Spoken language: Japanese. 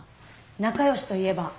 仲良しといえば。